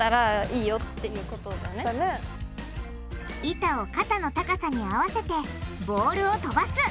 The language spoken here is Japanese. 板を肩の高さに合わせてボールをとばす！